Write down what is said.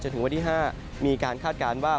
ถึงวันที่๕มีการคาดการณ์ว่า